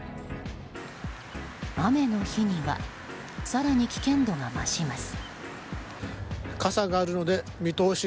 雨の日には更に危険度が増します。